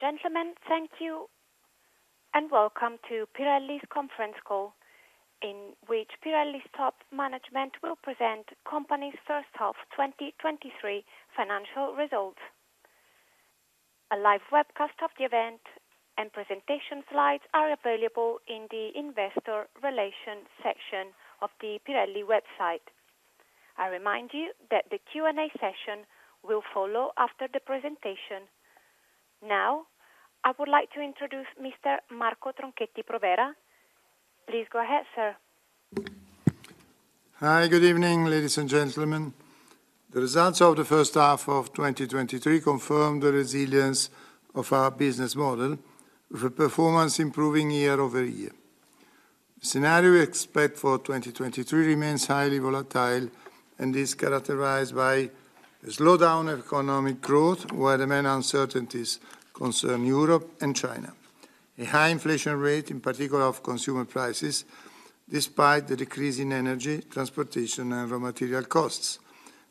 Gentlemen, thank you, and welcome to Pirelli's conference call, in which Pirelli's top management will present company's first half 2023 financial results. A live webcast of the event and presentation slides are available in the Investor Relations section of the Pirelli website. I remind you that the Q&A session will follow after the presentation. I would like to introduce Mr. Marco Tronchetti Provera. Please go ahead, sir. Hi, good evening, ladies and gentlemen. The results of the first half of 2023 confirm the resilience of our business model, with performance improving year-over-year. The scenario we expect for 2023 remains highly volatile and is characterized by a slowdown economic growth, where the main uncertainties concern Europe and China. A high inflation rate, in particular of consumer prices, despite the decrease in energy, transportation, and raw material costs.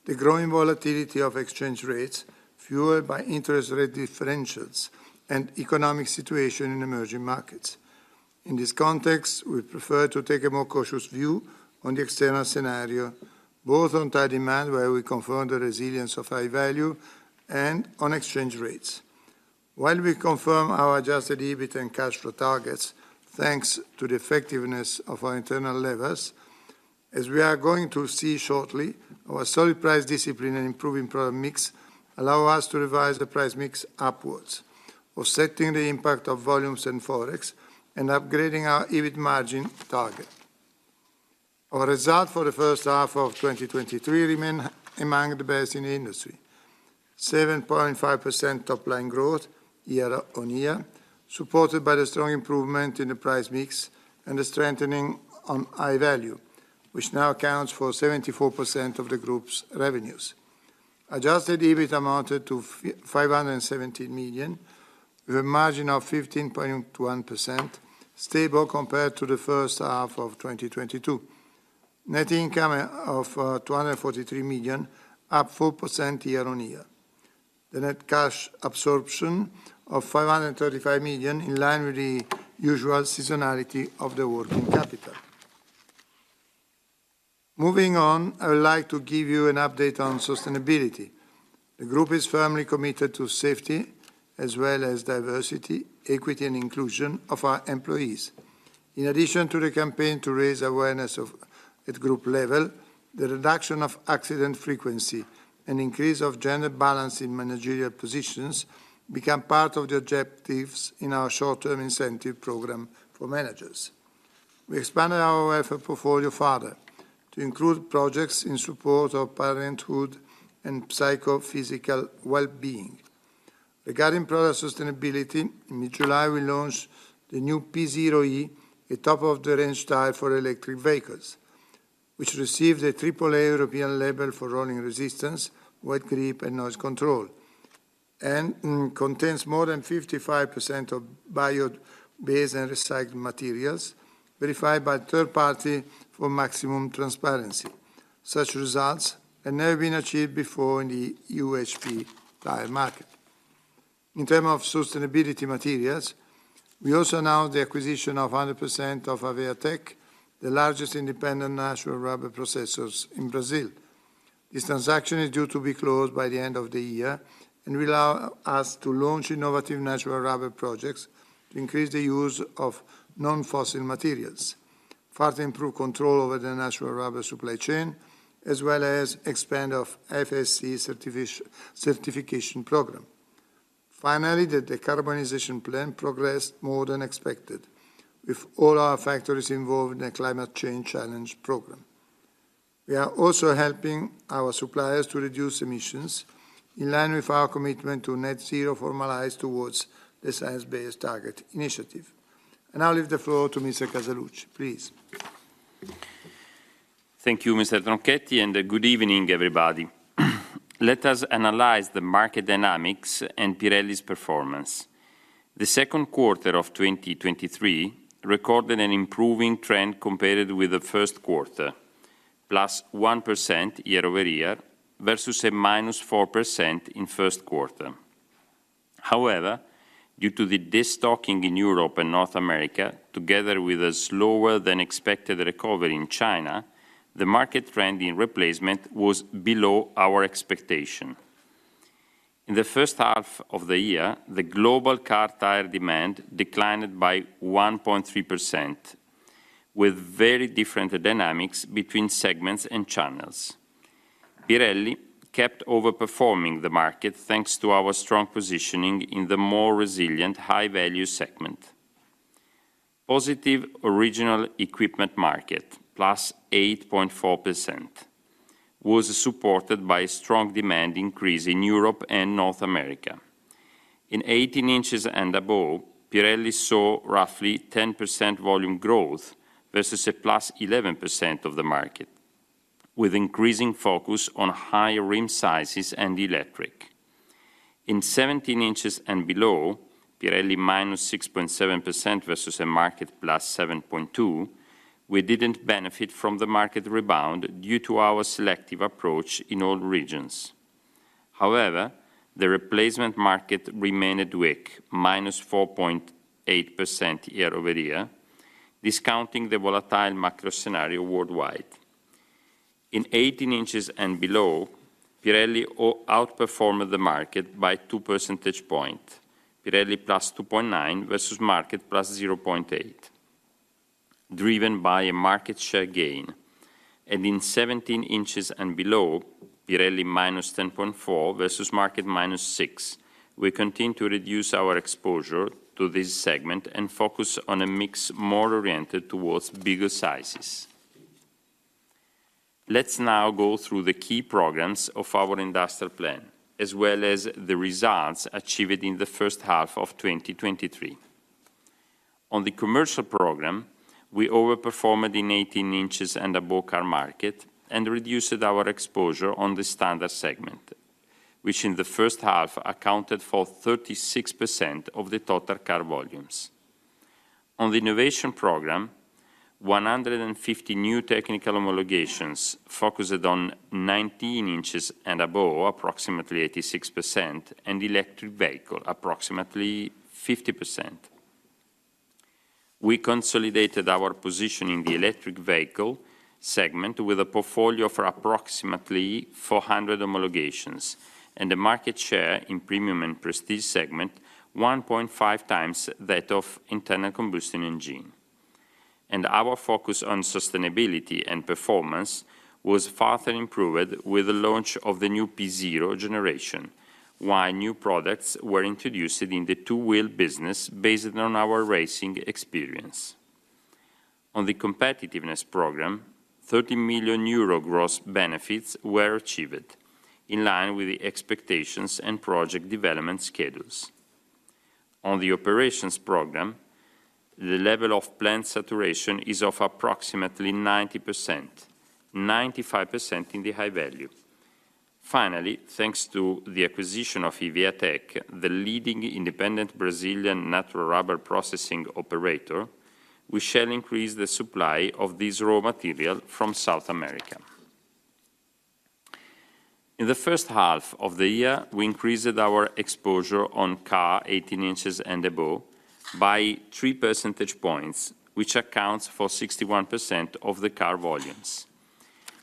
The growing volatility of exchange rates, fueled by interest rate differentials and economic situation in Emerging Markets. In this context, we prefer to take a more cautious view on the external scenario, both on tire demand, where we confirm the resilience of High Value and on exchange rates. While we confirm our Adjusted EBIT and cash flow targets, thanks to the effectiveness of our internal levers, as we are going to see shortly, our solid price discipline and improving product mix allow us to revise the price mix upwards, offsetting the impact of volumes and forex and upgrading our EBIT margin target. Our result for the first half of 2023 remain among the best in the industry. 7.5% top-line growth year-on-year, supported by the strong improvement in the price mix and the strengthening on High Value, which now accounts for 74% of the group's revenues. Adjusted EBIT amounted to 570 million, with a margin of 15.1%, stable compared to the first half of 2022. Net income of 243 million, up 4% year-on-year. The net cash absorption of 535 million, in line with the usual seasonality of the working capital. Moving on, I would like to give you an update on sustainability. The group is firmly committed to safety as well as Diversity, Equity, and Inclusion of our employees. In addition to the campaign to raise awareness of at group level, the reduction of accident frequency and increase of gender balance in managerial positions become part of the objectives in our Short-Term Incentive program for managers. We expanded our effort portfolio further to include projects in support of parenthood and psychophysical well-being. Regarding product sustainability, in mid-July, we launched the new P Zero E, a top-of-the-range tire for electric vehicles, which received a triple A European label for rolling resistance, wet grip, and noise control, and contains more than 55% of bio-based and recycled materials, verified by third party for maximum transparency. Such results had never been achieved before in the UHP tire market. In term of sustainability materials, we also announced the acquisition of 100% of Hevea-Tec, the largest independent natural rubber processors in Brazil. This transaction is due to be closed by the end of the year and will allow us to launch innovative natural rubber projects to increase the use of non-fossil materials, further improve control over the natural rubber supply chain, as well as expand of FSC certification program. The decarbonization plan progressed more than expected, with all our factories involved in a Climate Change Challenge program. We are also helping our suppliers to reduce emissions in line with our commitment to Net Zero formalized towards the Science Based Targets initiative. I now leave the floor to Mr. Casaluci. Please. Thank you, Mr. Tronchetti, good evening, everybody. Let us analyze the market dynamics and Pirelli's performance. The second quarter of 2023 recorded an improving trend compared with the first quarter, +1% year-over-year versus a -4% in first quarter. Due to the destocking in Europe and North America, together with a slower than expected recovery in China, the market trend in replacement was below our expectation. In the first half of the year, the global car tire demand declined by 1.3%, with very different dynamics between segments and channels. Pirelli kept overperforming the market, thanks to our strong positioning in the more resilient, High Value segment. Positive original equipment market, +8.4%, was supported by strong demand increase in Europe and North America. In 18 inches and above, Pirelli saw roughly 10% volume growth versus a +11% of the market, with increasing focus on higher rim sizes and electric. In 17 inches and below, Pirelli -6.7% versus a market +7.2. We didn't benefit from the market rebound due to our selective approach in all regions. The replacement market remained weak, -4.8% year-over-year, discounting the volatile macro scenario worldwide. In 18 inches and below, Pirelli outperformed the market by 2 percentage points. Pirelli +2.9 versus market +0.8, driven by a market share gain. In 17 inches and below, Pirelli -10.4 versus market -6. We continue to reduce our exposure to this segment and focus on a mix more oriented towards bigger sizes. Let's now go through the key programs of our Industrial Plan, as well as the results achieved in the first half of 2023. On the Commercial Program, we overperformed in 18 inches and above Car market and reduced our exposure on the Standard segment, which in the first half accounted for 36% of the total Car volumes. On the Innovation Program, 150 new technical homologations focused on ≥19\", approximately 86%, and electric vehicle, approximately 50%. We consolidated our position in the Electric Vehicle segment with a portfolio of approximately 400 homologations and a market share in Premium and Prestige segment 1.5 times that of internal combustion engine. Our focus on sustainability and performance was further improved with the launch of the new P Zero generation, while new products were introduced in the two-wheel business based on our racing experience. On the Competitiveness Program, 30 million euro gross benefits were achieved, in line with the expectations and project development schedules. On the Operations Program, the level of plant saturation is of approximately 90%, 95% in the High Value. Thanks to the acquisition of Hevea-Tec, the leading independent Brazilian natural rubber processing operator, we shall increase the supply of this raw material from South America. In the first half of the year, we increased our exposure on car 18 inches and above by 3 percentage points, which accounts for 61% of the car volumes.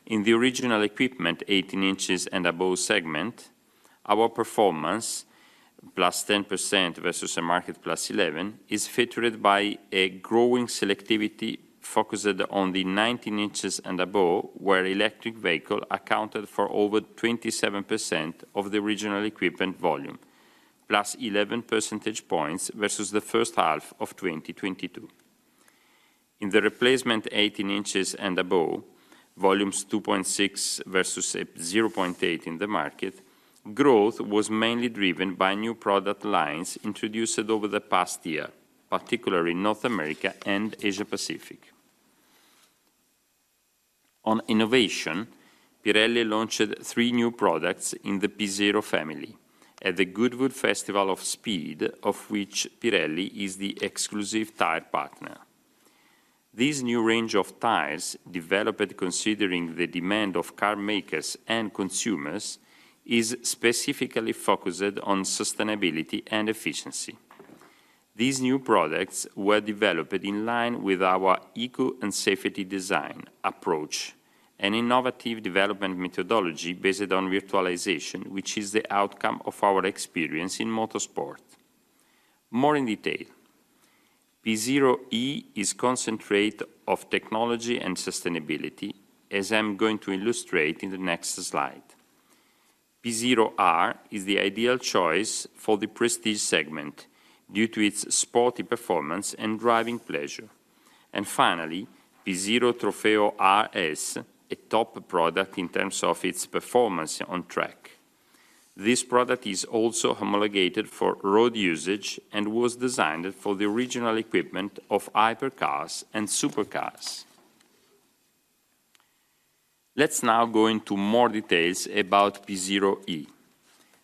In the Original Equipment, 18 inches and above segment, our performance, +10% versus a market +11%, is featured by a growing selectivity focused on the 19 inches and above, where Electric Vehicle accounted for over 27% of the Original Equipment volume, +11 percentage points versus the first half of 2022. In the Replacement 18 inches and above, volumes 2.6 versus 0.8 in the market, growth was mainly driven by new product lines introduced over the past year, particularly in North America and Asia Pacific. On innovation, Pirelli launched three new products in the P Zero family at the Goodwood Festival of Speed, of which Pirelli is the exclusive tire partner. This new range of tires, developed considering the demand of car makers and consumers, is specifically focused on sustainability and efficiency. These new products were developed in line with our eco and safety design approach, an innovative development methodology based on virtualization, which is the outcome of our experience in motorsport. More in detail, P Zero E is concentrate of technology and sustainability, as I'm going to illustrate in the next slide. P Zero R is the ideal choice for the prestige segment due to its sporty performance and driving pleasure. Finally, P Zero Trofeo RS, a top product in terms of its performance on track. This product is also homologated for road usage and was designed for the Original Equipment of hypercars and supercars. Let's now go into more details about P Zero E.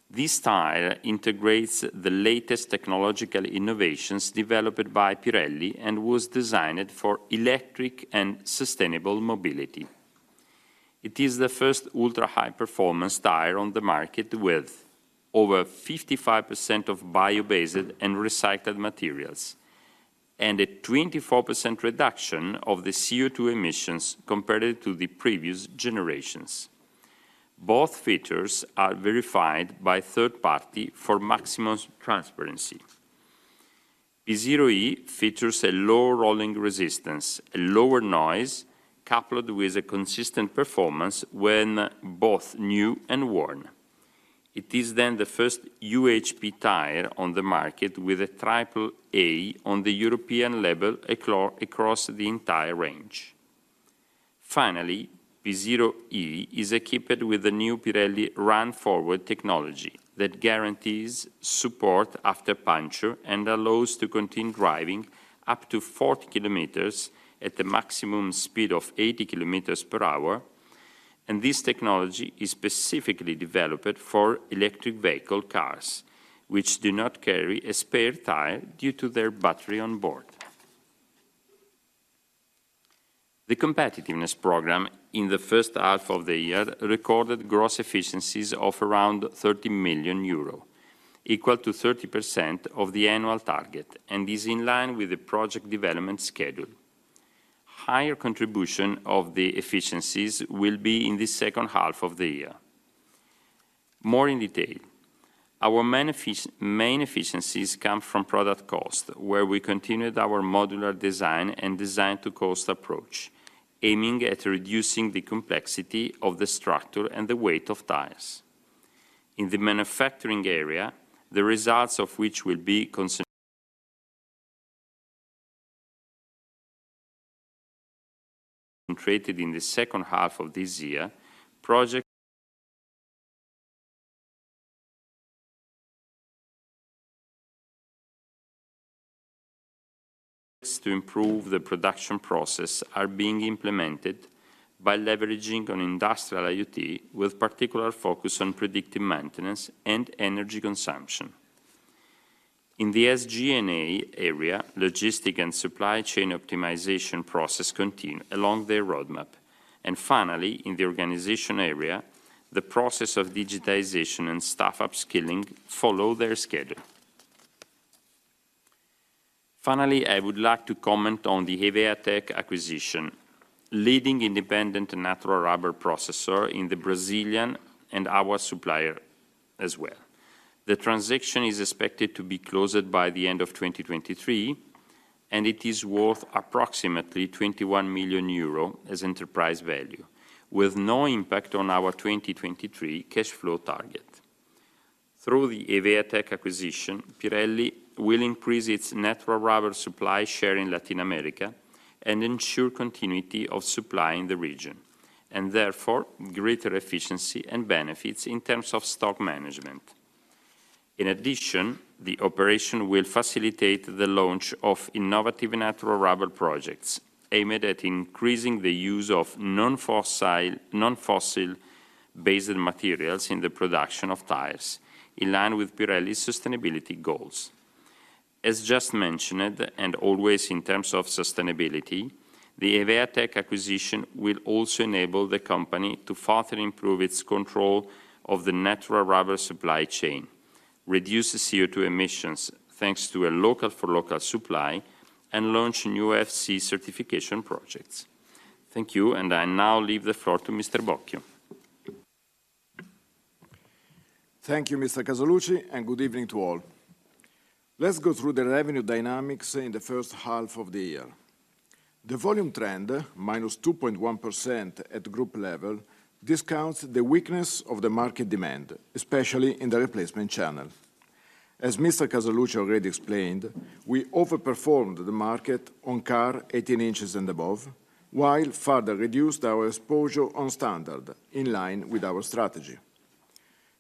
This tire integrates the latest technological innovations developed by Pirelli and was designed for electric and sustainable mobility. It is the first ultra-high performance tire on the market with over 55% of bio-based and recycled materials, and a 24% reduction of the CO₂ emissions compared to the previous generations. Both features are verified by third party for maximum transparency. P Zero E features a low rolling resistance, a lower noise, coupled with a consistent performance when both new and worn. It is the first UHP tire on the market with a triple A on the European level across the entire range. Finally, P Zero E is equipped with the new Pirelli Run Forward technology that guarantees support after puncture and allows to continue driving up to 40 kilometers at a maximum speed of 80 kilometers per hour. This technology is specifically developed for electric vehicle cars, which do not carry a spare tire due to their battery on board. The Competitiveness Program in the first half of the year recorded gross efficiencies of around 30 million euro, equal to 30% of the annual target, and is in line with the project development schedule. Higher contribution of the efficiencies will be in the second half of the year. More in detail, our main efficiencies come from product cost, where we continued our modular design and design-to-cost approach, aiming at reducing the complexity of the structure and the weight of tires. In the manufacturing area, the results of which will be concentrated in the second half of this year, To improve the production process are being implemented by leveraging on industrial IoT, with particular focus on predictive maintenance and energy consumption. In the SG&A area, logistics and supply chain optimization process continue along their roadmap. Finally, in the organization area, the process of digitization and staff upskilling follow their schedule. Finally, I would like to comment on the Hevea-Tec acquisition, leading independent natural rubber processor in Brazil and our supplier as well. The transaction is expected to be closed by the end of 2023, it is worth approximately 21 million euro as enterprise value, with no impact on our 2023 cash flow target. Through the Hevea-Tec acquisition, Pirelli will increase its natural rubber supply share in Latin America, ensure continuity of supply in the region, therefore, greater efficiency and benefits in terms of stock management. In addition, the operation will facilitate the launch of innovative natural rubber projects, aimed at increasing the use of non-fossil-based materials in the production of tires, in line with Pirelli's sustainability goals. As just mentioned, always in terms of sustainability, the Hevea-Tec acquisition will also enable the company to further improve its control of the natural rubber supply chain, reduce the CO2 emissions, thanks to a local-for-local supply, launch new FSC certification projects. Thank you. I now leave the floor to Mr. Bocchio. Thank you, Mr. Casaluci. Good evening to all. Let's go through the revenue dynamics in the first half of the year. The volume trend, -2.1% at group level, discounts the weakness of the market demand, especially in the Replacement channel. As Mr. Casaluci already explained, we overperformed the market on car 18 inches and above, while further reduced our exposure on Standard segment, in line with our strategy.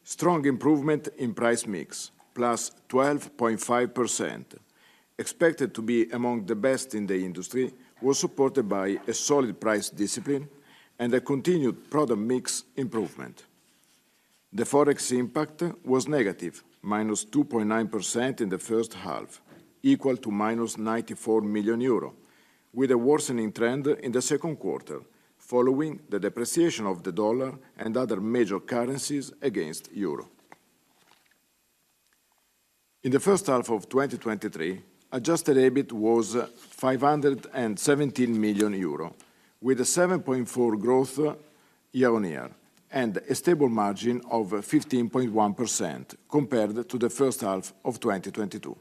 Strong improvement in price/mix, +12.5%, expected to be among the best in the industry, was supported by a solid price discipline and a continued product mix improvement. The Forex impact was negative, -2.9% in the first half, equal to -94 million euro, with a worsening trend in the second quarter, following the depreciation of the US dollar and other major currencies against EUR. In the first half of 2023, Adjusted EBIT was 517 million euro, with a 7.4% growth year-on-year, and a stable margin of 15.1% compared to 1H 2022.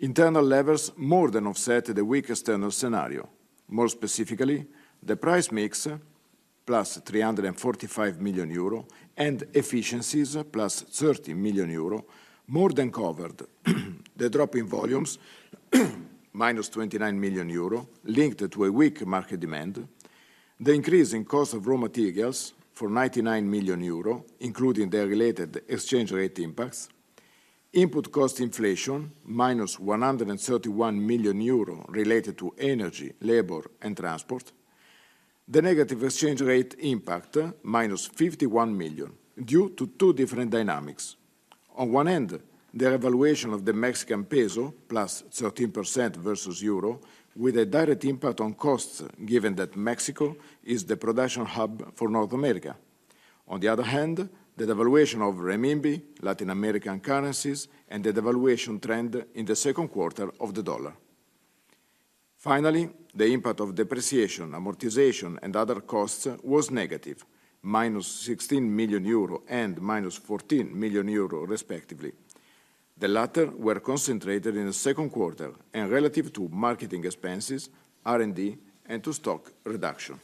Internal levels more than offset the weak external scenario. More specifically, the price/mix, +345 million euro, and efficiencies, +30 million euro, more than covered the drop in volumes, -29 million euro, linked to a weak market demand, the increase in raw material costs for 99 million euro, including the related exchange rate impacts, input cost inflation, -131 million euro, related to energy, labor, and transport, the negative exchange rate impact, -51 million, due to two different dynamics. On one end, the evaluation of the Mexican peso, +13% versus EUR, with a direct impact on costs, given that Mexico is the production hub for North America. On the other hand, the devaluation of renminbi, Latin American currencies, and the devaluation trend in the second quarter of the dollar. The impact of depreciation, amortization, and other costs was negative, -16 million euro and -14 million euro, respectively. The latter were concentrated in the second quarter and relative to marketing expenses, R&D, and to stock reduction.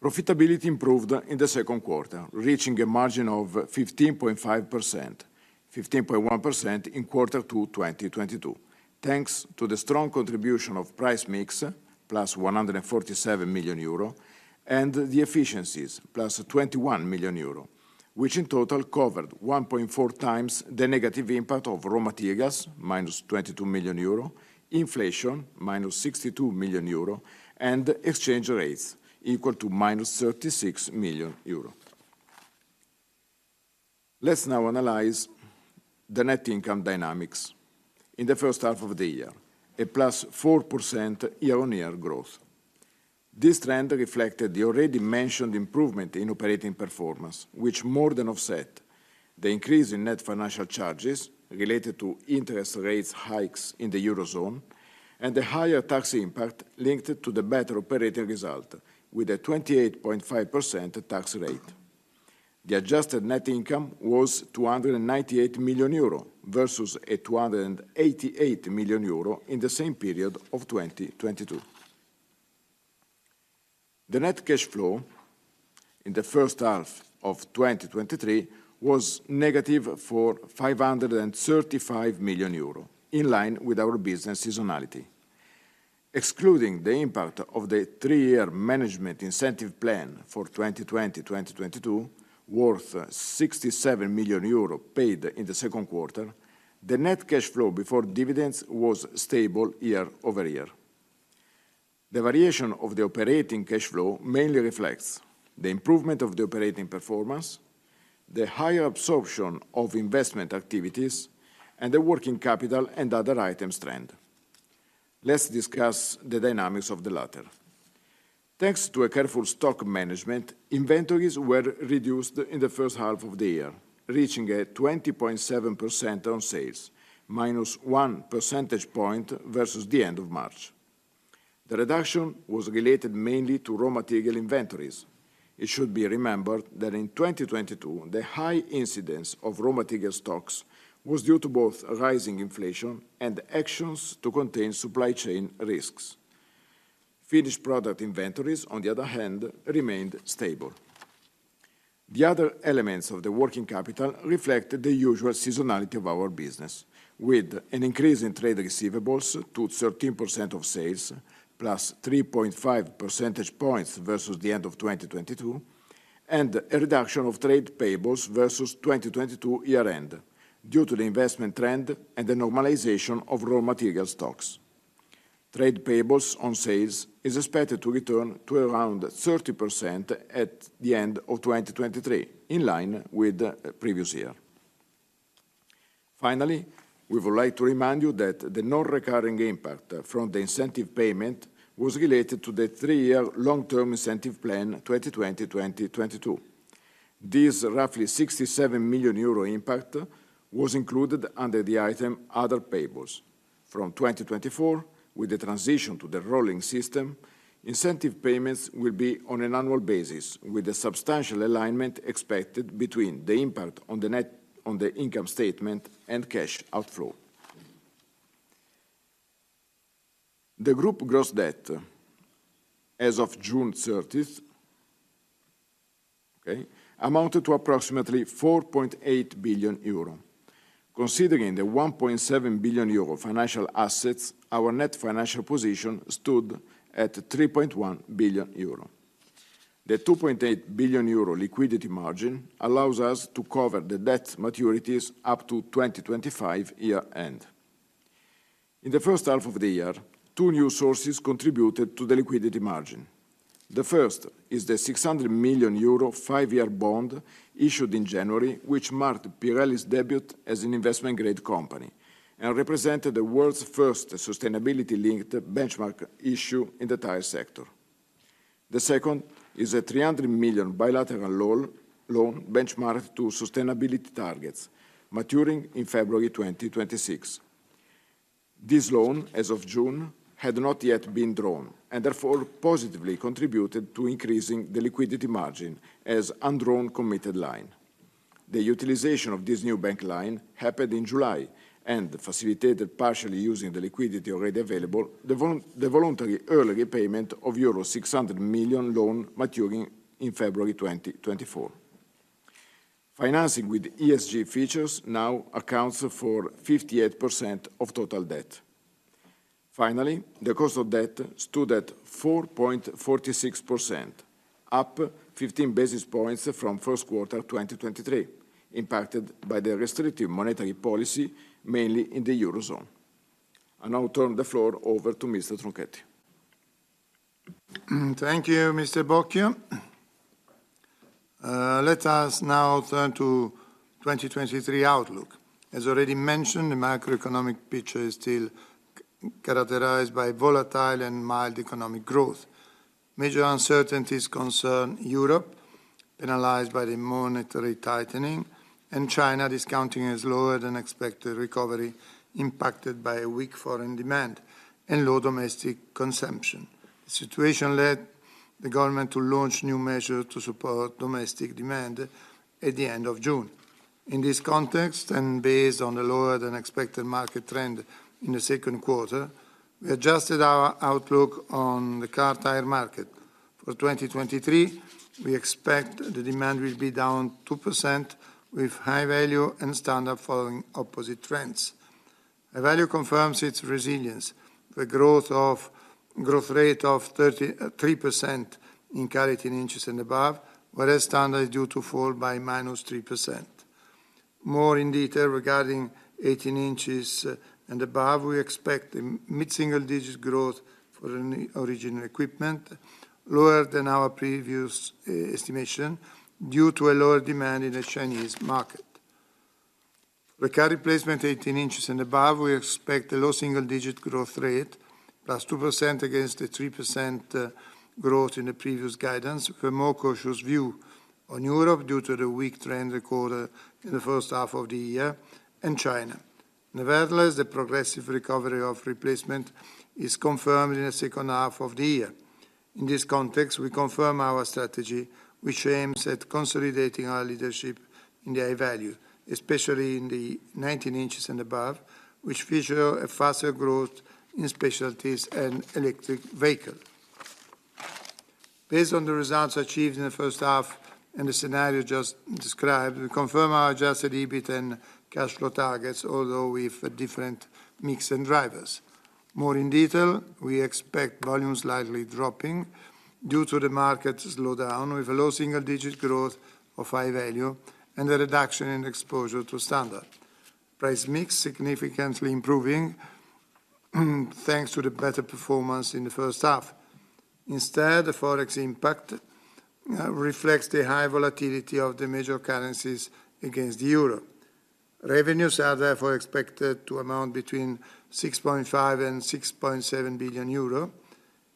Profitability improved in the second quarter, reaching a margin of 15.5%, 15.1% in Q2 2022, thanks to the strong contribution of price mix, +147 million euro, and the efficiencies, +21 million euro. which in total covered 1.4 times the negative impact of raw materials, -22 million euro, inflation, -62 million euro, and exchange rates, equal to -36 million euro. Let's now analyze the net income dynamics. In the first half of the year, a +4% year-on-year growth. This trend reflected the already mentioned improvement in operating performance, which more than offset the increase in net financial charges related to interest rates hikes in the Eurozone, and the higher tax impact linked to the better operating result, with a 28.5% tax rate. The adjusted net income was 298 million euro, versus 288 million euro in the same period of 2022. The net cash flow in the first half of 2023 was negative for 535 million euro, in line with our business seasonality. Excluding the impact of the three-year management incentive plan for 2020, 2022, worth 67 million euro paid in the second quarter, the net cash flow before dividends was stable year-over-year. The variation of the operating cash flow mainly reflects the improvement of the operating performance, the higher absorption of investment activities, and the working capital and other items trend. Let's discuss the dynamics of the latter. Thanks to a careful stock management, inventories were reduced in the first half of the year, reaching a 20.7% on sales, minus 1 percentage point versus the end of March. The reduction was related mainly to raw material inventories. It should be remembered that in 2022, the high incidence of raw material stocks was due to both rising inflation and actions to contain supply chain risks. Finished product inventories, on the other hand, remained stable. The other elements of the working capital reflect the usual seasonality of our business, with an increase in trade receivables to 13% of sales, plus 3.5 percentage points versus the end of 2022, and a reduction of trade payables versus 2022 year end, due to the investment trend and the normalization of raw material stocks. Trade payables on sales is expected to return to around 30% at the end of 2023, in line with previous year. Finally, we would like to remind you that the non-recurring impact from the incentive payment was related to the 3-year long-term incentive plan, 2020-2022. This roughly 67 million euro impact was included under the item Other Payables. From 2024, with the transition to the rolling system, incentive payments will be on an annual basis, with a substantial alignment expected between the impact on the income statement and cash outflow. The group gross debt, as of June 30th, amounted to approximately 4.8 billion euro. Considering the 1.7 billion euro financial assets, our net financial position stood at 3.1 billion euro. The 2.8 billion euro liquidity margin allows us to cover the debt maturities up to 2025 year end. In the first half of the year, two new sources contributed to the liquidity margin. The first is the 600 million euro 5-year bond issued in January, which marked Pirelli's debut as an investment-grade company, and represented the world's first sustainability-linked benchmark issue in the tire sector. The second is a 300 million bilateral loan, benchmarked to sustainability targets, maturing in February 2026. This loan, as of June, had not yet been drawn, and therefore positively contributed to increasing the liquidity margin as undrawn committed line. The utilization of this new bank line happened in July, and facilitated, partially using the liquidity already available, the voluntary early repayment of euro 600 million loan maturing in February 2024. Financing with ESG features now accounts for 58% of total debt. The cost of debt stood at 4.46%, up 15 basis points from first quarter 2023, impacted by the restrictive monetary policy, mainly in the Eurozone. I now turn the floor over to Mr. Tronchetti. Thank you, Mr. Bocchio. let us now turn to 2023 outlook. As already mentioned, the macroeconomic picture is still characterized by volatile and mild economic growth. Major uncertainties concern Europe, analyzed by the monetary tightening, and China, discounting its lower-than-expected recovery, impacted by a weak foreign demand and low domestic consumption. The situation led the government to launch new measures to support domestic demand at the end of June. In this context, based on the lower-than-expected market trend in the second quarter, we adjusted our outlook on the car tire market. For 2023, we expect the demand will be down 2%, with High Value and Standard following opposite trends. High Value confirms its resilience, with a growth rate of 3% in car 18 inches and above, whereas Standard is due to fall by -3%. More in detail, regarding 18 inches and above, we expect a mid-single digit growth for the Original Equipment, lower than our previous estimation, due to a lower demand in the China market. The Replacement 18 inches and above, we expect a low single digit growth rate, +2% against the 3% growth in the previous guidance, with a more cautious view on Europe due to the weak trend recorded in the first half of the year in China. Nevertheless, the progressive recovery of Replacement is confirmed in the second half of the year. In this context, we confirm our strategy, which aims at consolidating our leadership in the High Value, especially in the 19 inches and above, which feature a faster growth in specialties and electric vehicle. Based on the results achieved in the first half and the scenario just described, we confirm our Adjusted EBIT and cash flow targets, although with different mix and drivers. More in detail, we expect volume slightly dropping due to the market slowdown, with a low single digit growth of High Value and a reduction in exposure to Standard. Price mix significantly improving, thanks to the better performance in the first half. The forex impact reflects the high volatility of the major currencies against the euro. Revenues are therefore expected to amount between 6.5 billion and 6.7 billion euro.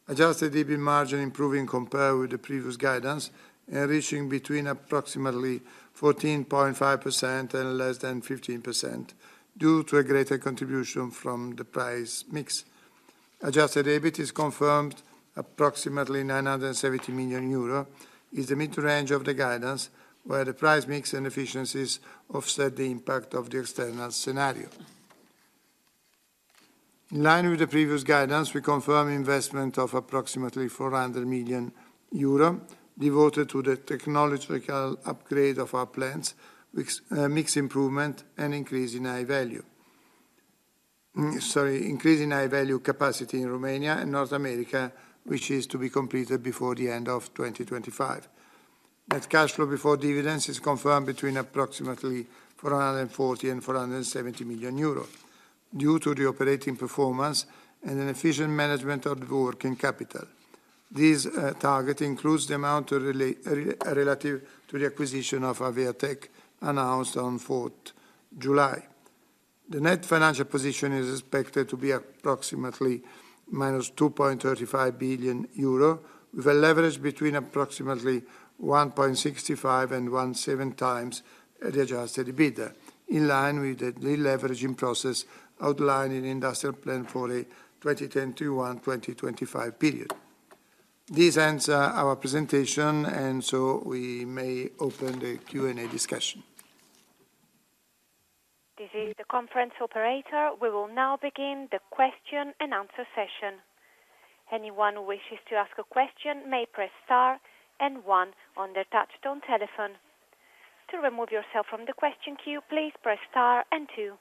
Adjusted EBIT margin improving compared with the previous guidance, and reaching between approximately 14.5% and less than 15%, due to a greater contribution from the price mix. Adjusted EBIT is confirmed approximately 970 million euro, is the mid-range of the guidance, where the price mix and efficiencies offset the impact of the external scenario. In line with the previous guidance, we confirm investment of approximately 400 million euro, devoted to the technological upgrade of our plants, which, mix improvement and increase in High Value. Sorry, increase in High Value capacity in Romania and North America, which is to be completed before the end of 2025. Net Cash Flow before dividends is confirmed between approximately 440 million and 470 million euros, due to the operating performance and an efficient management of the working capital. This target includes the amount relative to the acquisition of Hevea-Tec, announced on 4th July. The net financial position is expected to be approximately -2.35 billion euro, with a leverage between approximately 1.65 and 1.7 times the Adjusted EBITDA, in line with the deleveraging process outlined in the Industrial Plan for the 2010 to 1, 2025 period. This ends our presentation. We may open the Q&A discussion. This is the conference operator. We will now begin the question and answer session. Anyone who wishes to ask a question may press star and one on their touchtone telephone. To remove yourself from the question queue, please press star and two.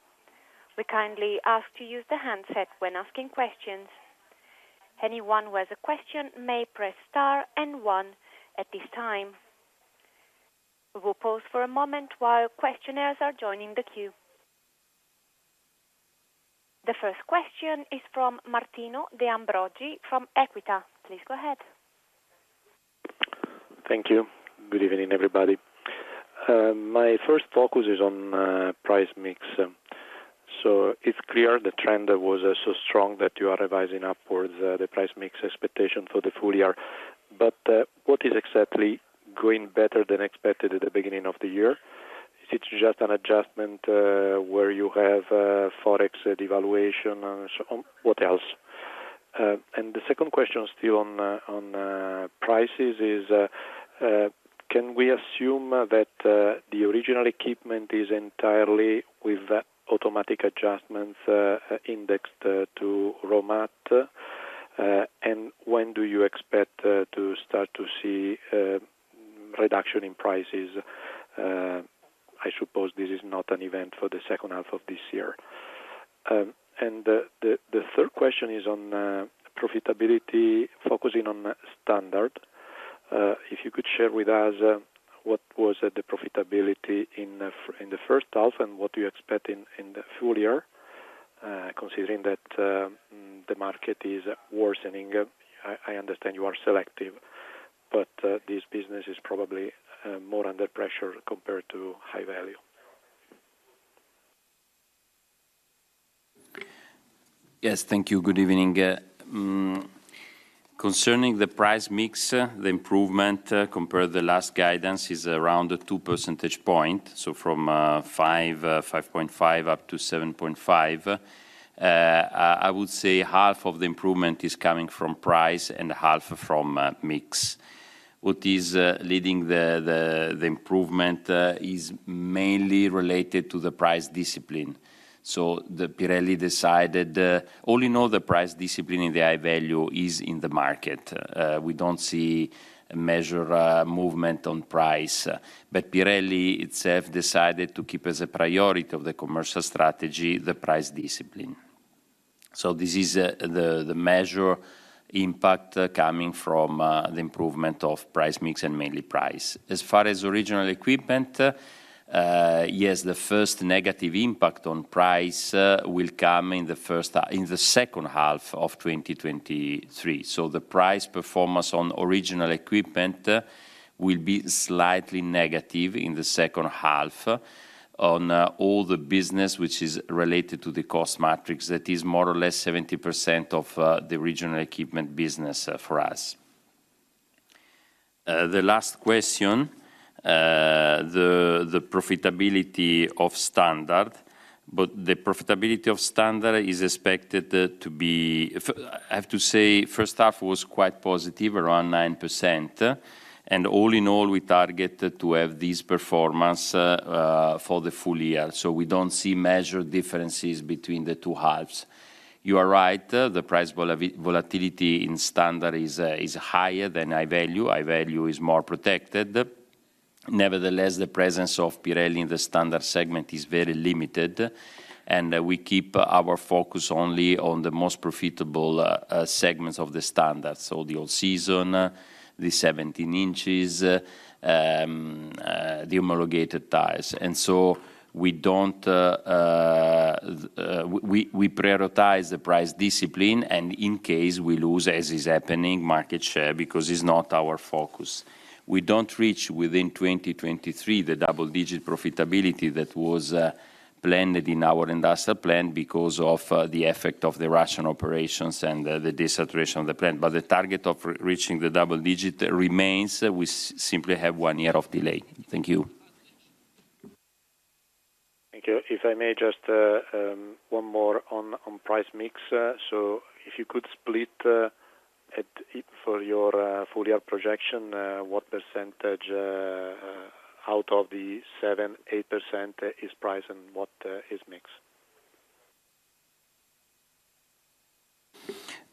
We kindly ask to use the handset when asking questions. Anyone who has a question may press star and one at this time. We will pause for a moment while questioners are joining the queue. The first question is from Martino De Ambroggi from Equita. Please go ahead. Thank you. Good evening, everybody. My first focus is on price mix. It's clear the trend was so strong that you are revising upwards the price mix expectation for the full year. What is exactly going better than expected at the beginning of the year? It's just an adjustment where you have forex devaluation and so on, what else? The second question, still on prices, is can we assume that the Original Equipment is entirely with automatic adjustments indexed to raw mat? When do you expect to start to see reduction in prices? I suppose this is not an event for the second half of this year. The third question is on profitability, focusing on Standard. If you could share with us, what was the profitability in the first half, and what do you expect in the full year, considering that the market is worsening? I understand you are selective, but this business is probably more under pressure compared to High Value. Yes, thank you. Good evening. Concerning the price/mix, the improvement compared to the last guidance is around 2 percentage points, so from 5.5 up to 7.5. I would say half of the improvement is coming from price and half from mix. What is leading the improvement is mainly related to the price discipline. The Pirelli decided. All in all, the price discipline in the High Value is in the market. We don't see a measure movement on price, Pirelli itself decided to keep as a priority of the commercial strategy, the price discipline. This is the measure impact coming from the improvement of price mix and mainly price. As far as Original Equipment, yes, the first negative impact on price will come in the second half of 2023. The price performance on Original Equipment will be slightly negative in the second half, on all the business which is related to the cost matrix, that is more or less 70% of the Original Equipment business for us. The last question, the profitability of Standard, but the profitability of Standard is expected. I have to say, first half was quite positive, around 9%. All in all, we target to have this performance for the full year, so we don't see measured differences between the two halves. You are right, the price volatility in Standard is higher than High Value. High Value is more protected. Nevertheless, the presence of Pirelli in the Standard segment is very limited, and we keep our focus only on the most profitable segments of the Standard. The all-season, the 17 inches, the homologated tires. We don't, we prioritize the price discipline, and in case we lose, as is happening, market share, because it's not our focus. We don't reach within 2023, the double digit profitability that was planned in our Industrial Plan because of the effect of the Russian operations and the desaturation of the plan. The target of reaching the double digit remains, we simply have 1 year of delay. Thank you. Thank you. If I may just, 1 more on price mix. If you could split at it for your full year projection, what % out of the 7-8% is price and what is mix?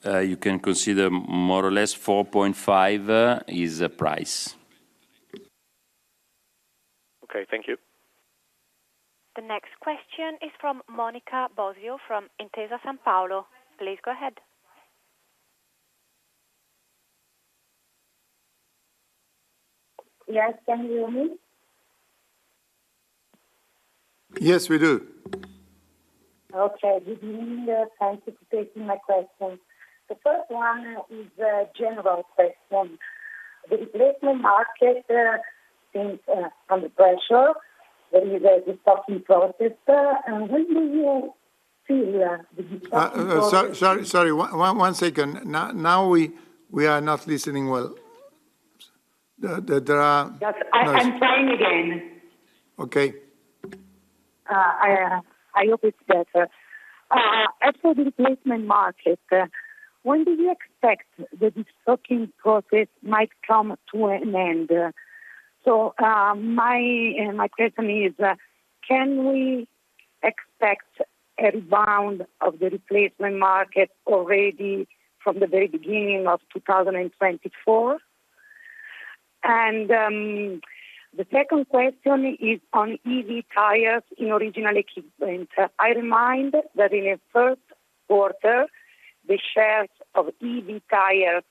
You can consider more or less 4.5, is price. Okay, thank you. The next question is from Monica Bosio, from Intesa Sanpaolo. Please go ahead. Yes, can you hear me? Yes, we do. Okay, good evening, thank you for taking my questions. The first one is a general question. The replacement market, in, under pressure, there is a destocking process. When do you see the destocking? sorry, one second. Now we are not listening well. there Yes, I'm trying again. Okay. I hope it's better. After the replacement market, when do you expect the destocking process might come to an end? My question is, can we expect a rebound of the replacement market already from the very beginning of 2024? The second question is on EV tires in original equipment. I remind that in the first quarter, the shares of EV tires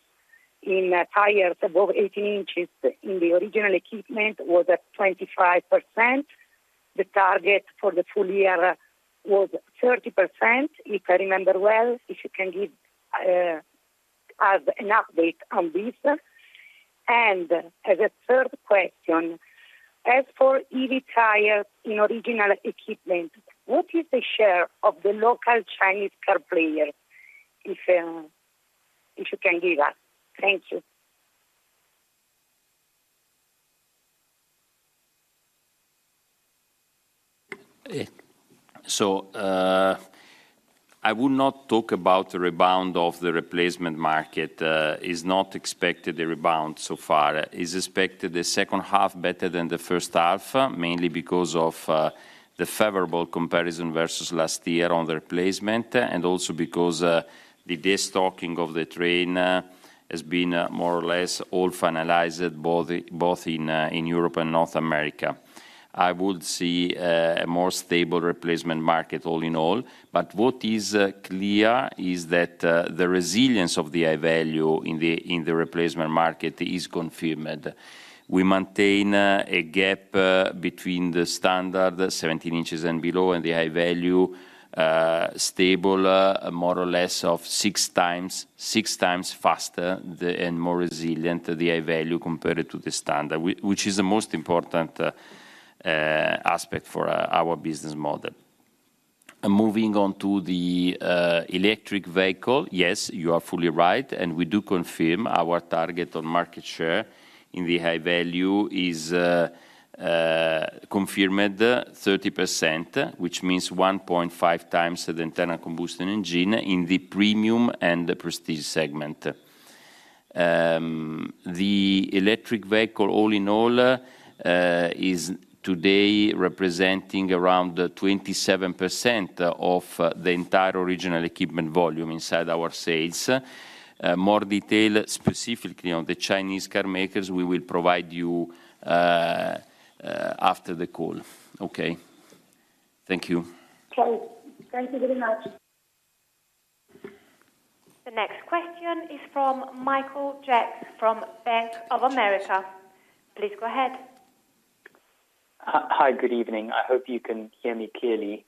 in tires above 18 inches in the original equipment was at 25%. The target for the full year was 30%, if I remember well. If you can give us an update on this. As a third question, as for EV tires in original equipment, what is the share of the local Chinese car players, if you can give that? Thank you. I would not talk about the rebound of the Replacement market, is not expected a rebound so far. Is expected the second half, better than the first half, mainly because of the favorable comparison versus last year on the Replacement, and also because the destocking of the train has been more or less all finalized, both in Europe and North America. I would see a more stable Replacement market all in all. What is clear is that the resilience of the High Value in the Replacement market is confirmed. We maintain a gap between the Standard, 17 inches and below, and the High Value, stable, more or less of 6 times faster and more resilient, the High Value compared to the Standard, which is the most important aspect for our business model. Moving on to the Electric Vehicle, yes, you are fully right, and we do confirm our target on market share in the High Value is confirmed 30%, which means 1.5 times the internal combustion engine in the Premium and Prestige segment. The Electric Vehicle, all in all, is today representing around 27% of the entire Original Equipment volume inside our sales. More detail, specifically on the Chinese carmakers, we will provide you after the call. Okay, thank you. Okay, thank you very much. The next question is from Michael Jacks from Bank of America. Please go ahead. Hi, good evening. I hope you can hear me clearly.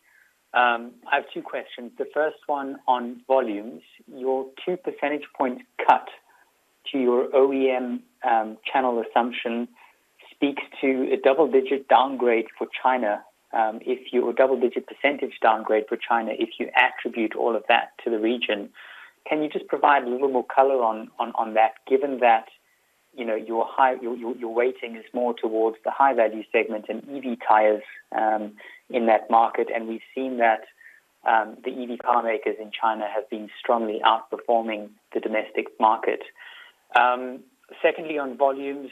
I have two questions. The first one on volumes. Your 2 percentage points cut to your OEM channel assumption speaks to a double-digit percentage downgrade for China, if you attribute all of that to the region. Can you just provide a little more color on that, given that, you know, your weighting is more towards the High Value segment and EV tires in that market, and we've seen that the EV car makers in China have been strongly outperforming the domestic market? Secondly, on volumes,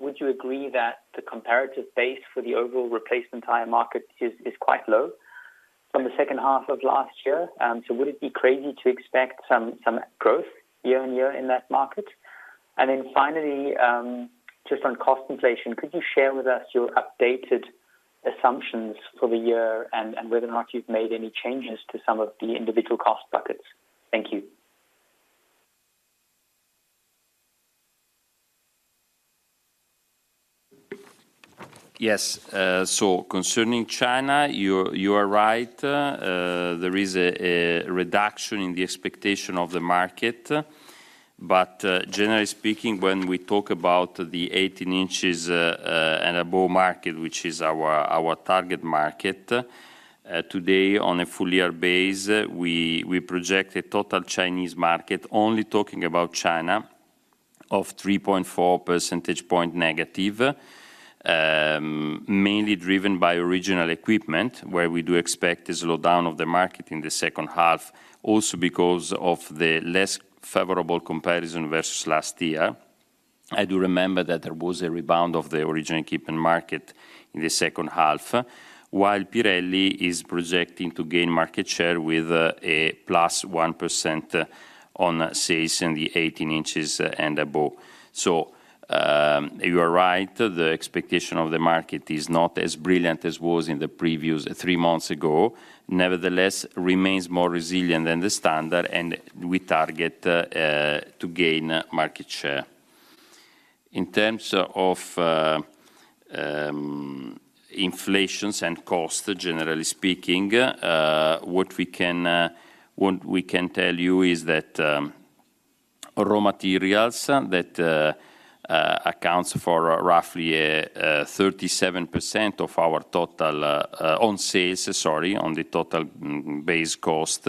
would you agree that the comparative base for the overall replacement tire market is quite low from the second half of last year? Would it be crazy to expect some growth year-on-year in that market? Finally, just on cost inflation, could you share with us your updated assumptions for the year and whether or not you've made any changes to some of the individual cost buckets? Thank you. Yes, concerning China, you are right. There is a reduction in the expectation of the market, generally speaking, when we talk about the 18 inches and above market, which is our target market, today, on a full year base, we project a total Chinese market only talking about China of 3.4 percentage point negative, mainly driven by Original Equipment, where we do expect a slowdown of the market in the second half, also because of the less favorable comparison versus last year. I do remember that there was a rebound of the Original Equipment market in the second half, while Pirelli is projecting to gain market share with a +1% on sales in the 18 inches and above. You are right, the expectation of the market is not as brilliant as was in the previous 3 months ago. Nevertheless, remains more resilient than the standard, and we target to gain market share. In terms of inflations and cost, generally speaking, what we can tell you is that raw materials that accounts for roughly 37% of our total on sales, sorry, on the total base cost,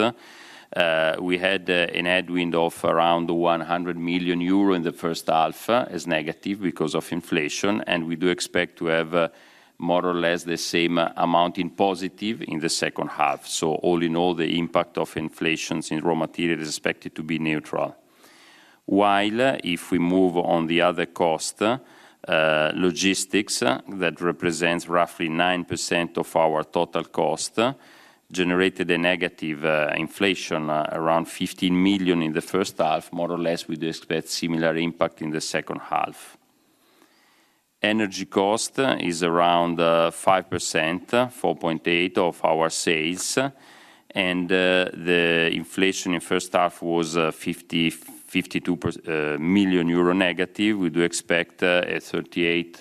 we had a headwind of around 100 million euro in the first half, as negative because of inflation, and we do expect to have more or less the same amount in positive in the second half. All in all, the impact of inflations in raw material is expected to be neutral. If we move on the other cost, logistics, that represents roughly 9% of our total cost, generated a negative inflation around 15 million in the first half, more or less, we do expect similar impact in the second half. Energy cost is around 5%, 4.8% of our sales, and the inflation in first half was 52 million euro negative. We do expect 38 million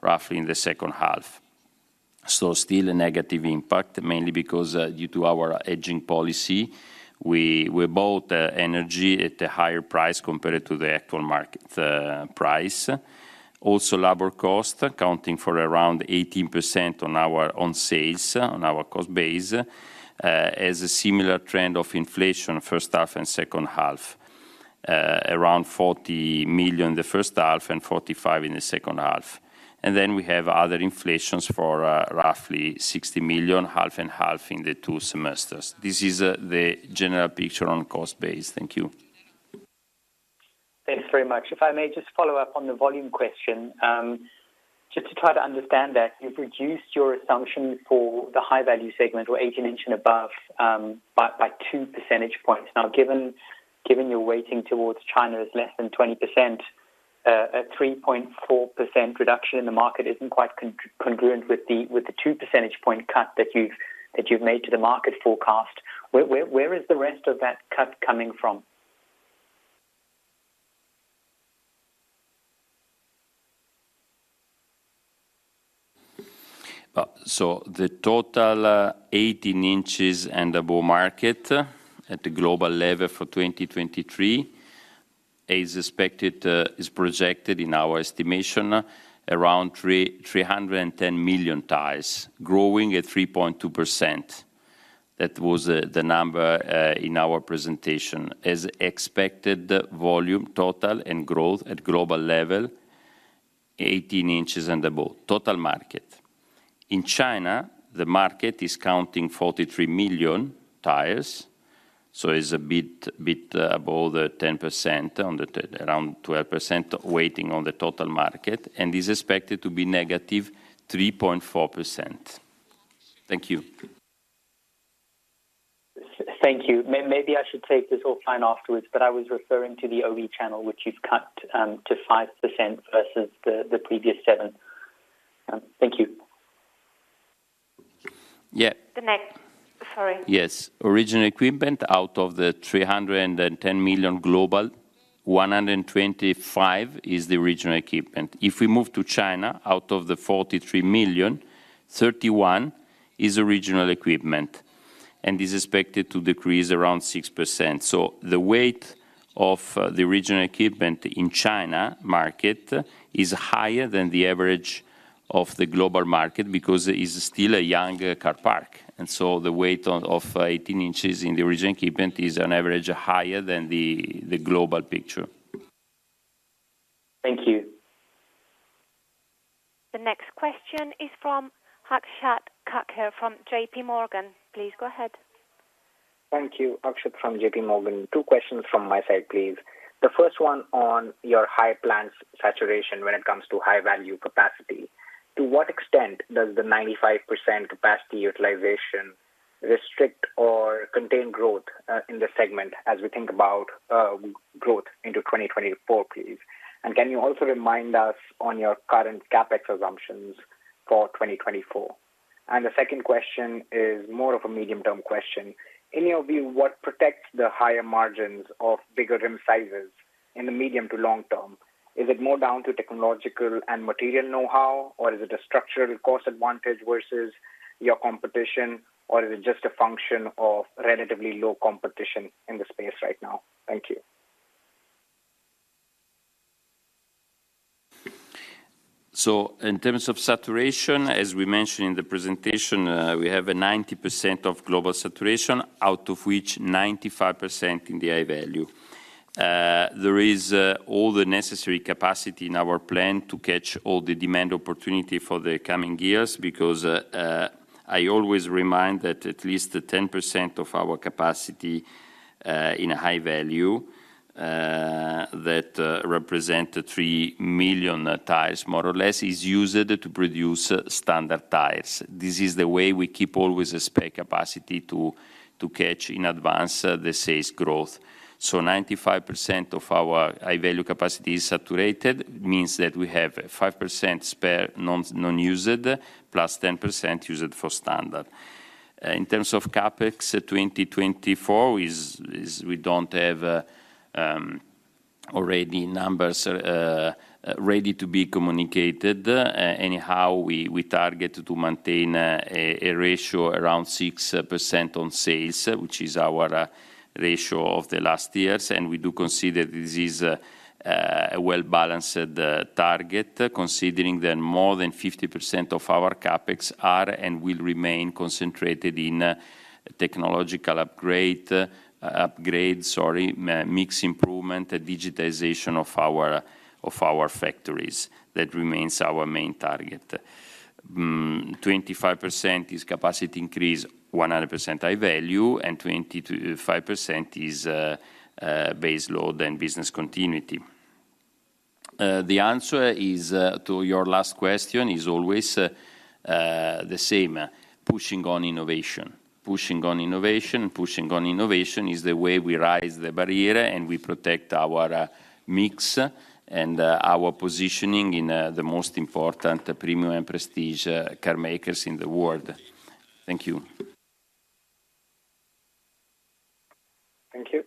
roughly in the second half. Still a negative impact, mainly because due to our aging policy, we bought energy at a higher price compared to the actual market price. Labor cost, accounting for around 18% on our sales, on our cost base, has a similar trend of inflation, first half and second half. Around 40 million the first half and 45 million in the second half. We have other inflations for, roughly 60 million, half and half in the two semesters. This is the general picture on cost base. Thank you. Thanks very much. If I may just follow up on the volume question, just to try to understand that, you've reduced your assumption for the High Value segment, or 18 inch and above, by 2 percentage points. Now, given your weighting towards China is less than 20%, a 3.4% reduction in the market isn't quite congruent with the 2 percentage point cut that you've made to the market forecast. Where is the rest of that cut coming from? The total 18 inches and above market at the global level for 2023, is expected, is projected in our estimation, around 310 million tires, growing at 3.2%. That was the number in our presentation. As expected, volume, total and growth at global level, 18 inches and above, total market. In China, the market is counting 43 million tires, it's a bit above the 10% on the... Around 12% waiting on the total market, and is expected to be -3.4%. Thank you. Thank you. Maybe I should take this offline afterwards, but I was referring to the OE channel, which you've cut to 5% versus the previous 7. Thank you. Yeah. Sorry. Yes. Original equipment out of the 310 million global, 125 is the original equipment. If we move to China, out of the 43 million, 31 is original equipment, and is expected to decrease around 6%. The weight of the original equipment in China market is higher than the average of the global market because it is still a young car park. The weight of 18 inches in the original equipment is on average, higher than the global picture. Thank you. The next question is from Akash Kakkar from JPMorgan. Please go ahead. Thank you. Akash from JP Morgan. Two questions from my side, please. The first one on your high plans saturation when it comes to High Value capacity. To what extent does the 95% capacity utilization restrict or contain growth in the segment as we think about growth into 2024, please? Can you also remind us on your current CapEx assumptions for 2024? The second question is more of a medium-term question. In your view, what protects the higher margins of bigger rim sizes in the medium to long term? Is it more down to technological and material know-how, or is it a structural cost advantage versus your competition, or is it just a function of relatively low competition in the space right now? Thank you. In terms of saturation, as we mentioned in the presentation, we have 90% of global saturation, out of which 95% in the High Value. There is all the necessary capacity in our plant to catch all the demand opportunity for the coming years, because I always remind that at least 10% of our capacity in a High Value, that represent 3 million tires, more or less, is used to produce Standard tires. This is the way we keep always a spare capacity to catch in advance the sales growth. 95% of our High Value capacity is saturated, means that we have 5% spare non-used, plus 10% used for Standard. In terms of CapEx, 2024 we don't have already numbers ready to be communicated. Anyhow, we target to maintain a ratio around 6% on sales, which is our ratio of the last years, we do consider this is a well-balanced target, considering that more than 50% of our CapEx are and will remain concentrated in technological upgrade, sorry, mix improvement, digitization of our factories. That remains our main target. 25% is capacity increase, 100% High Value, 20%-25% is base load and business continuity. The answer is to your last question, is always the same, pushing on innovation. Pushing on innovation is the way we rise the barrier, and we protect our mix and our positioning in the most important Premium and Prestige car makers in the world. Thank you. Thank you.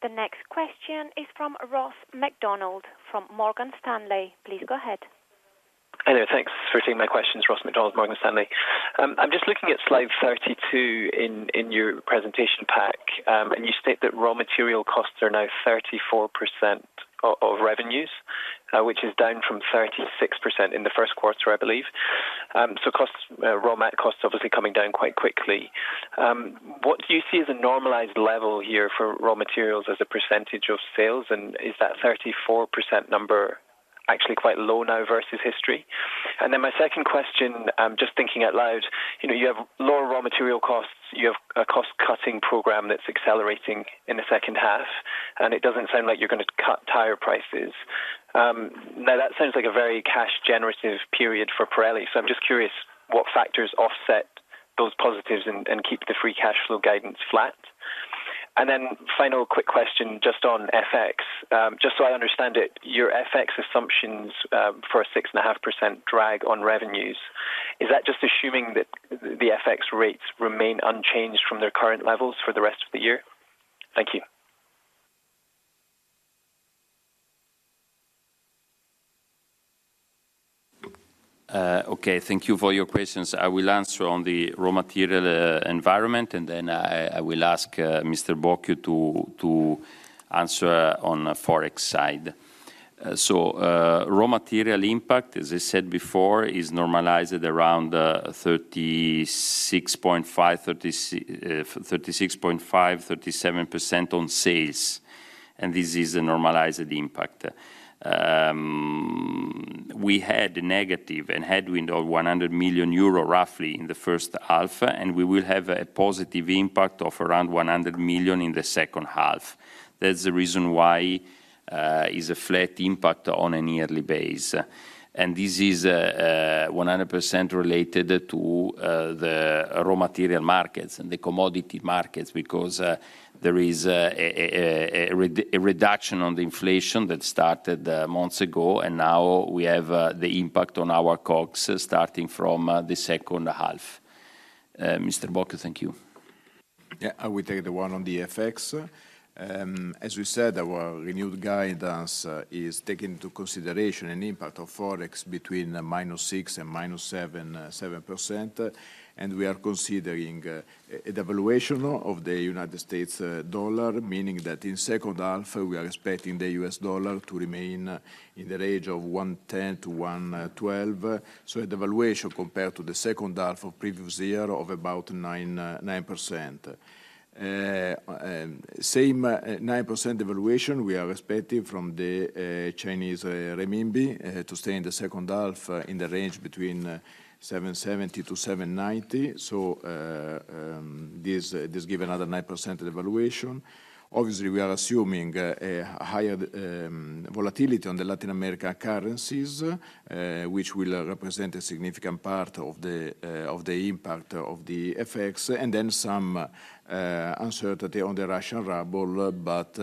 The next question is from Ross McDonald, from Morgan Stanley. Please go ahead. Hello, thanks for taking my questions. Ross McDonald, Morgan Stanley. I'm just looking at slide 32 in your presentation pack, you state that raw material costs are now 34% of revenues, which is down from 36% in the first quarter, I believe. Costs, raw material costs obviously coming down quite quickly. What do you see as a normalized level here for raw materials as a percentage of sales, is that 34% number actually quite low now versus history? My second question, I'm just thinking out loud, you know, you have lower raw material costs, you have a cost-cutting program that's accelerating in the second half, it doesn't sound like you're going to cut tire prices. That sounds like a very cash generative period for Pirelli. I'm just curious what factors offset those positives and keep the free cash flow guidance flat? Final quick question, just on FX. Just so I understand it, your FX assumptions for a 6.5% drag on revenues, is that just assuming that the FX rates remain unchanged from their current levels for the rest of the year? Thank you. Okay, thank you for your questions. I will answer on the raw material environment, and then I will ask Mr. Bocchio to answer on the Forex side. Raw material impact, as I said before, is normalized at around 36.5-37% on sales, and this is a normalized impact. We had a negative and headwind of 100 million euro, roughly, in the first half, and we will have a positive impact of around 100 million in the second half. That's the reason why it's a flat impact on a yearly base. This is 100% related to the raw material markets and the commodity markets, because there is a reduction on the inflation that started months ago, and now we have the impact on our costs starting from the second half. Mr. Bocchio, thank you. Yeah, I will take the one on the FX. As we said, our renewed guidance is taking into consideration an impact of Forex between -6% and -7%, and we are considering a devaluation of the United States dollar, meaning that in second half, we are expecting the US dollar to remain in the range of 110 to 112. A devaluation compared to the second half of previous year of about 9%. Same 9% devaluation, we are expecting from the Chinese renminbi to stay in the second half in the range between 7.70 to 7.90. This give another 9% devaluation. We are assuming a higher volatility on the Latin America currencies, which will represent a significant part of the impact of the FX, and then some uncertainty on the Russian ruble, but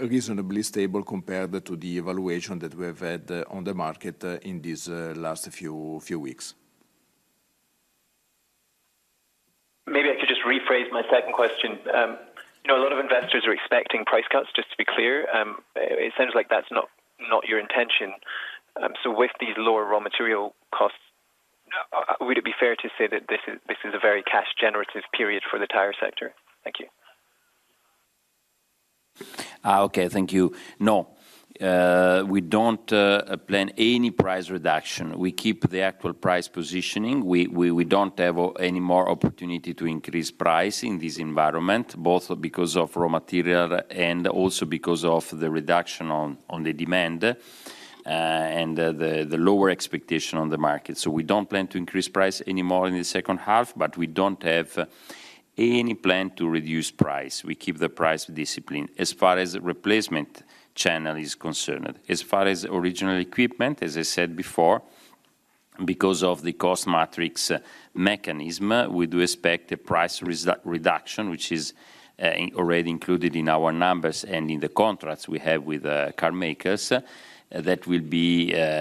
reasonably stable compared to the devaluation that we have had on the market in these last few weeks. Maybe I could just rephrase my second question. You know, a lot of investors are expecting price cuts, just to be clear, it seems like that's not your intention. With these lower raw material costs, would it be fair to say that this is a very cash generative period for the tire sector? Thank you. Okay. Thank you. No, we don't plan any price reduction. We keep the actual price positioning. We don't have any more opportunity to increase price in this environment, both because of raw material and also because of the reduction on the demand, and the lower expectation on the market. We don't plan to increase price any more in the second half, but we don't have any plan to reduce price. We keep the price discipline, as far as replacement channel is concerned. As far as original equipment, as I said before, because of the cost matrix mechanism, we do expect a price reduction, which is already included in our numbers and in the contracts we have with car makers, that will be in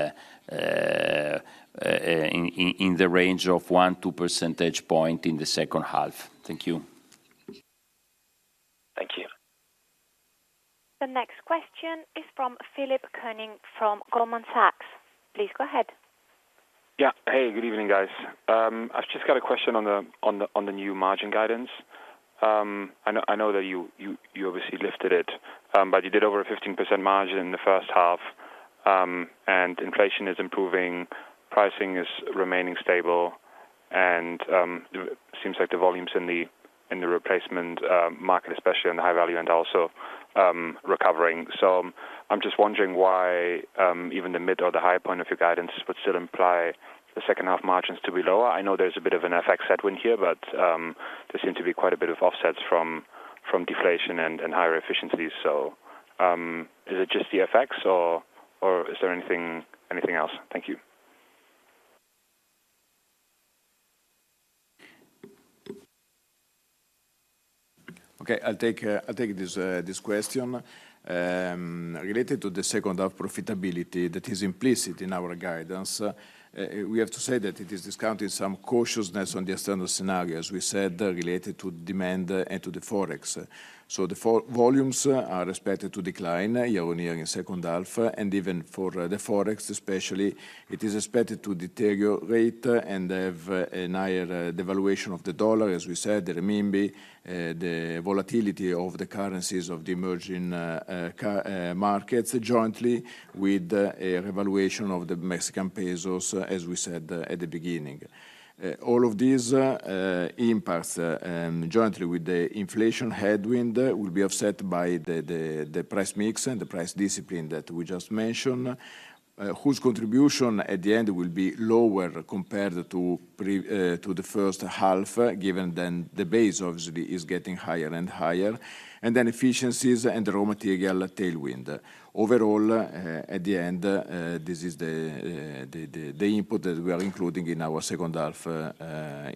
the range of 1-2 percentage points in the second half. Thank you. Thank you. The next question is from Philipp Koenig from Goldman Sachs. Please, go ahead. Yeah. Hey, good evening, guys. I've just got a question on the new margin guidance. I know that you obviously lifted it, you did over a 15% margin in the first half, inflation is improving, pricing is remaining stable, and seems like the volumes in the replacement market, especially on the High Value end, also recovering. I'm just wondering why even the mid or the high point of your guidance would still imply the second half margins to be lower. I know there's a bit of an FX headwind here, there seem to be quite a bit of offsets from deflation and higher efficiencies. Is it just the FX or is there anything else? Thank you. Okay, I'll take this question. Related to the second half profitability that is implicit in our guidance, we have to say that it is discounting some cautiousness on the external scenario, as we said, related to demand and to the Forex. The volumes are expected to decline year-on-year in second half, and even for the Forex, especially, it is expected to deteriorate and have a higher devaluation of the dollar, as we said, the renminbi, the volatility of the currencies of the Emerging Markets, jointly with the revaluation of the Mexican pesos, as we said, at the beginning. All of these impacts, jointly with the inflation headwind, will be offset by the price mix and the price discipline that we just mentioned, whose contribution at the end will be lower compared to the first half, given the base obviously is getting higher and higher, and efficiencies and the raw material tailwind. Overall, at the end, this is the input that we are including in our second half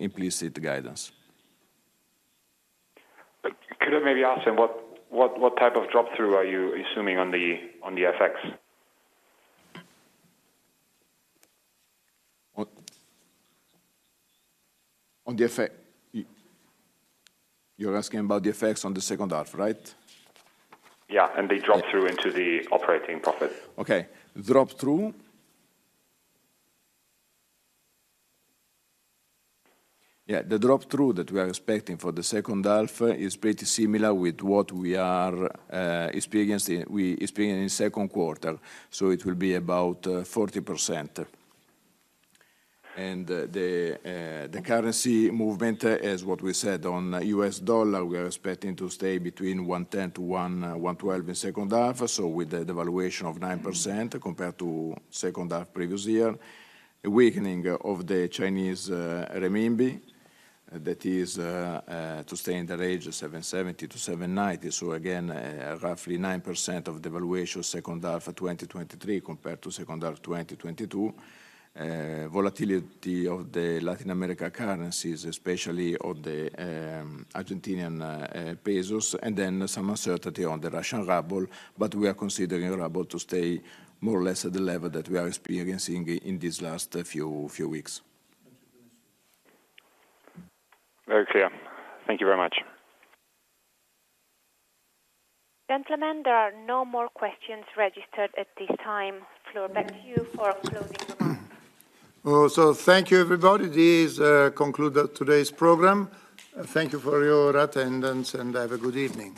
implicit guidance. Could I maybe ask then, what type of drop-through are you assuming on the FX? What? On the FX... You're asking about the FX on the second half, right? Yeah, the drop-through into the operating profit. Okay. Drop-through? Yeah, the drop-through that we are expecting for the second half is pretty similar with what we experienced in second quarter, so it will be about 40%. The currency movement, as what we said on US dollar, we are expecting to stay between 1.10-1.12 in second half, so with the devaluation of 9% compared to second half previous year. A weakening of the Chinese renminbi, that is to stay in the range of 7.70-7.90. Again, roughly 9% of devaluation second half of 2023 compared to second half of 2022. Volatility of the Latin America currencies, especially of the Argentinian pesos, and then some uncertainty on the Russian ruble, but we are considering ruble to stay more or less at the level that we are experiencing in these last few weeks. Very clear. Thank you very much. Gentlemen, there are no more questions registered at this time. Floor back to you for closing remarks. Well, thank you, everybody. This conclude today's program. Thank you for your attendance, and have a good evening.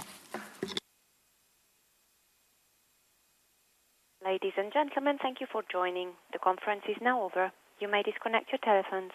Ladies and gentlemen, thank you for joining. The conference is now over. You may disconnect your telephones.